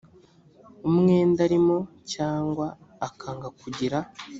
umwenda arimo cyangwa akanga kugira